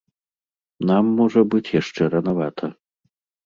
Нам, можа быць, яшчэ ранавата.